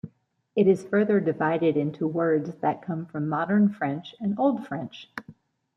It is further divided into words that come from Modern French and Old French.